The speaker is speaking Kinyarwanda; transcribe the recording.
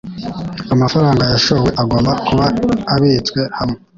Amafaranga yashowe agomba kuba abitswe hamwe